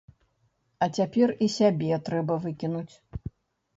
А цяпер і сябе трэба выкінуць!